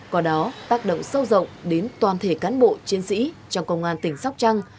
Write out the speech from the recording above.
có đó tác động sâu rộng đến toàn thể cán bộ chiến sĩ trong công an tỉnh sóc trăng